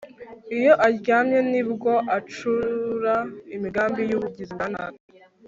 iyo aryamye ni bwo acura imigambi y'ubugizi bwa nabi